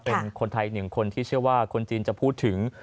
เป็นคนไทยหนึ่งคนที่เชื่อว่าคนจีนจะพูดถึง